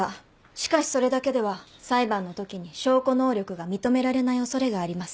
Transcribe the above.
しかしそれだけでは裁判のときに証拠能力が認められない恐れがあります。